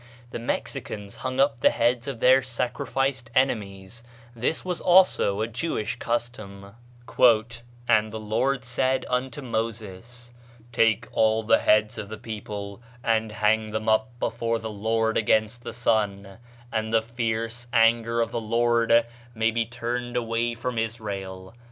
The Mexicans hung up the heads of their sacrificed enemies; this was also a Jewish custom: "And the Lord said unto Moses, Take all the heads of the people, and hang them up before the Lord against the sun, that the fierce anger of the Lord may be turned away from Israel.